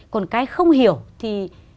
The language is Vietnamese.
còn cái không hiểu thì